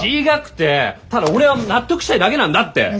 違くてただ俺は納得したいだけなんだって！